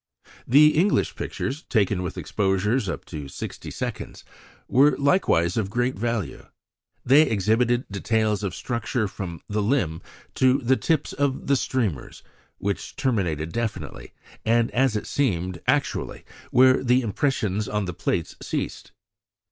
The English pictures, taken with exposures up to sixty seconds, were likewise of great value. They exhibited details of structure from the limb to the tips of the streamers, which terminated definitely, and as it seemed actually, where the impressions on the plates ceased.